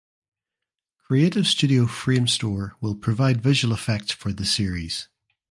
Creative studio Framestore will provide visual effects for the series.